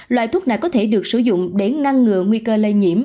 loại thuốc này có thể được sử dụng để ngăn ngừa nguy cơ lây nhiễm